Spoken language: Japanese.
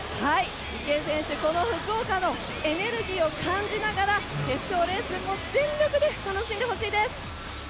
池江選手、この福岡のエネルギーを感じながら決勝レース全力で楽しんでほしいです。